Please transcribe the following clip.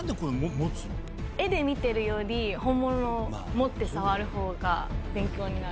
絵で見てるより本物を持って触るほうが勉強になる。